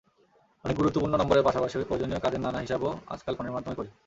অনেক গুরুত্বপূর্ণ নম্বরের পাশাপাশি প্রয়োজনীয় কাজের নানা হিসাবও আজকাল ফোনের মাধ্যমেই করি।